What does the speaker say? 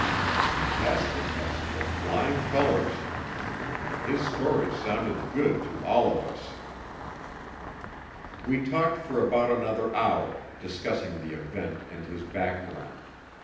He passed the test with flying colors. His story sounded good to all of us. We talked for about another hour, discussing the event and his background.